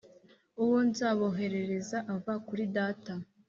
uwo nzaboherereza, ava kuri Data,